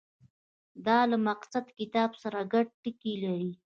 • دا له مقدس کتاب سره ګډ ټکي لري.